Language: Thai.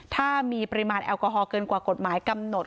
ถ้ามีปริมาณแอลกอฮอลเกินกว่ากฎหมายกำหนด